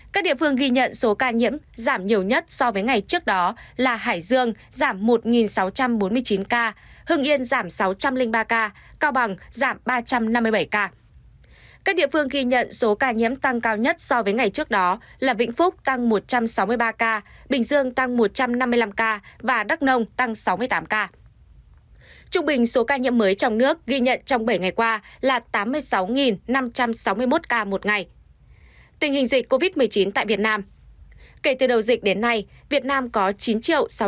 các địa phương ghi nhận số ca nhiễm giảm nhiều nhất so với ngày trước đó là hải dương giảm một sáu trăm bốn mươi chín ca hưng yên giảm sáu trăm linh ba ca cao bằng giảm ba trăm năm mươi bảy ca